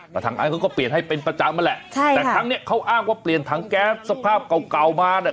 แต่ทางไอซ์เขาก็เปลี่ยนให้เป็นประจำนั่นแหละใช่แต่ครั้งเนี้ยเขาอ้างว่าเปลี่ยนถังแก๊สสภาพเก่าเก่ามาเนี่ย